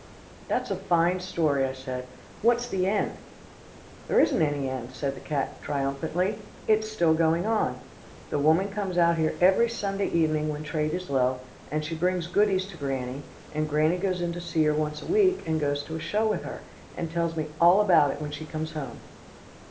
"That's a fine story," I said "what's the end?" "There isn't any end," said the black cat triumphantly. "It's still going on. The woman comes out here every Sunday evening when trade is low, and she brings goodies to Granny, and Granny goes in to see her once a week, and goes to a show with her, and tells me all about it when she comes home."